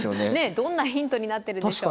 どんなヒントになってるんでしょう？